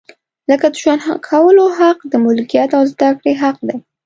لکه د ژوند کولو حق، د ملکیت او زده کړې حق دی.